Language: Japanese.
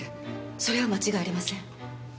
それは間違いありません。